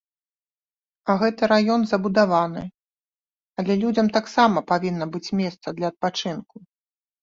А гэты раён забудаваны, але людзям таксама павінна быць месца для адпачынку.